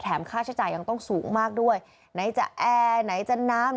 ค่าใช้จ่ายยังต้องสูงมากด้วยไหนจะแอร์ไหนจะน้ำ